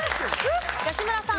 吉村さん。